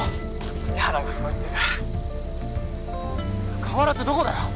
☎谷原がそう言ってる河原ってどこだよ？